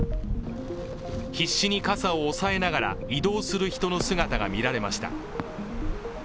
必死に傘を押さえながら移動する人の姿が見られました。